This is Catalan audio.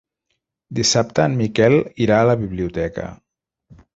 Dissabte en Miquel irà a la biblioteca.